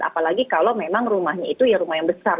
apalagi kalau memang rumahnya itu ya rumah yang besar